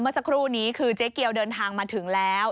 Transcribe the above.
เมื่อสักครู่นี้คือเจ๊เกียวเดินทางมาถึงแล้ว